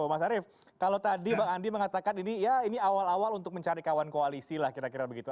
mas arief kalau tadi bang andi mengatakan ini ya ini awal awal untuk mencari kawan koalisi lah kira kira begitu